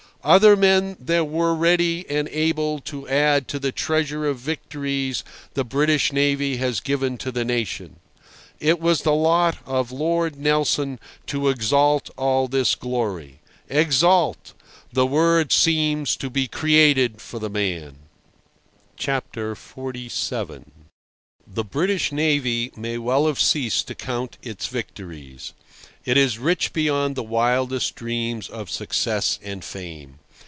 Other men there were ready and able to add to the treasure of victories the British navy has given to the nation. It was the lot of Lord Nelson to exalt all this glory. Exalt! the word seems to be created for the man. XLVII. The British navy may well have ceased to count its victories. It is rich beyond the wildest dreams of success and fame.